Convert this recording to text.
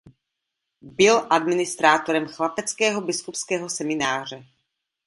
Byl administrátorem chlapeckého biskupského semináře.